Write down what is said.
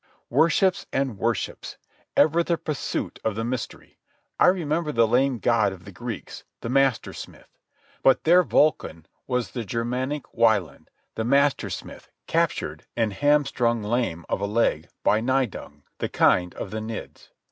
Worships and worships! Ever the pursuit of the Mystery! I remember the lame god of the Greeks, the master smith. But their vulcan was the Germanic Wieland, the master smith captured and hamstrung lame of a leg by Nidung, the kind of the Nids.